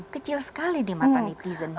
kecil sekali di mata netizen